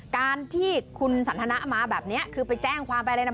การที่คุณสันทนามาแบบนี้คือไปแจ้งความไปอะไรนะ